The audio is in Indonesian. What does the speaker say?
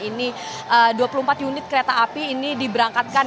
ini dua puluh empat unit kereta api ini diberangkatkan